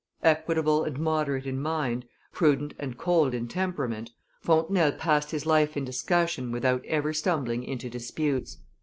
Equitable and moderate in mind, prudent and cold in temperament, Fontenelle passed his life in discussion without ever stumbling into disputes.